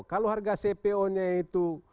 kalau harga cpo nya itu